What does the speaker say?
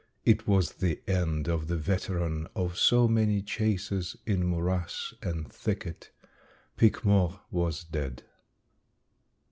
It was the end of the veteran of so many chases in morass and thicket Pique Mort was dead.